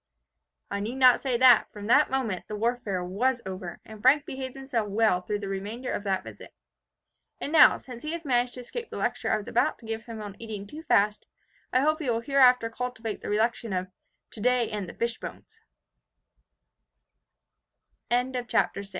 "I need not say that, from that moment, the warfare was over, and Frank behaved himself well through the remainder of the visit. "And now, since he has managed to escape the lecture I was about to give him on eating too fast, I hope he will hereafter cultivate the recollection